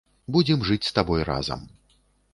Будзем жыць з табой разам.